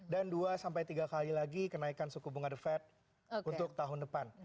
dan dua sampai tiga kali lagi kenaikan suku bunga the fed untuk tahun depan